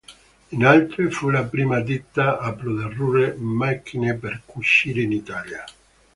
Inoltre, fu la prima ditta a produrre macchine per cucire in Italia.